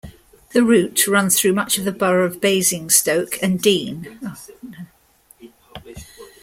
The route runs through much of the borough of Basingstoke and Deane.